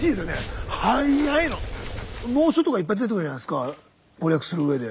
農書とかいっぱい出てくるじゃないですか攻略するうえで。